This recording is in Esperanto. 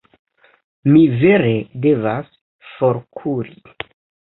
Mi vere devas forkuri.